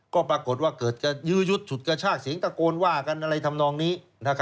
ก็ปรากฏว่าเกิดจะยื้อยุดฉุดกระชากเสียงตะโกนว่ากันอะไรทำนองนี้